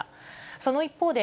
その一方で、